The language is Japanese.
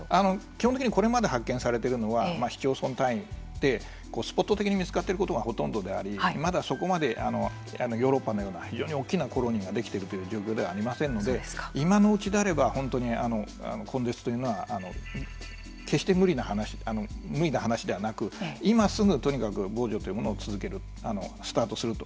基本的にこれまで発見されているのは市町村単位でスポット的に見つかっていることがほとんどでありまだそこまでヨーロッパのような非常に大きなコロニーができている状況ではありませんので今のうちであれば本当に、根絶というのは決して無理な話ではなく今すぐとにかく防除というものを続けるスタートすると。